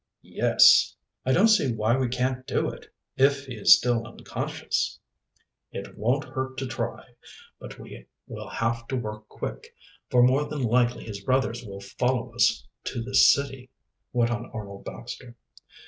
"Yes." "I don't see why we can't do it if he is still unconscious." "It won't hurt to try. But we will have to work quick, for more than likely his brothers will follow us to this city," went on Arnold Baxter.